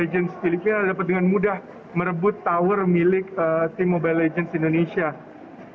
dan apabila kita melihat tadi jalannya pertandingan memang beberapa kali koordinasi yang baik antara tim mobile legends filipina berhasil membalikkan